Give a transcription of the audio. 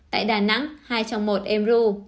tại đà nẵng hai trong một em ru